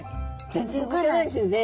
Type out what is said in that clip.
全然動かないですよね。